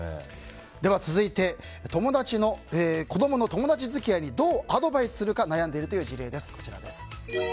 続いて、子供の友達付き合いにどうアドバイスするか悩んでいるという事例です。